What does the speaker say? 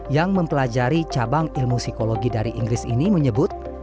yang mempelajari cabang ilmu psikologi dari inggris ini menyebut